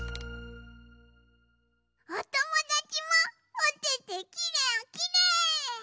おともだちもおててきれいきれい！